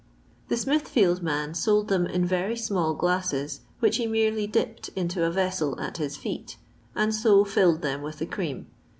The Smithfield man sold them in very small glasses, which he merely dipped into a vessel at his feet, and so filled them with the cream.